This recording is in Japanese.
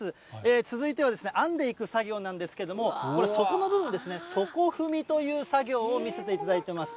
続いては編んでいく作業なんですけども、これ、底の部分ですね、底踏みという作業を見せていただいてます。